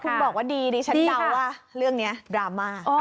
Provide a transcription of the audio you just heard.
คุณบอกว่าดีดิฉันเดาว่าเรื่องนี้ดราม่า